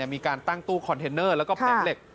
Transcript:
มีการตั้งตู้คอนเทนเนอร์แล้วก็แผงเหล็ก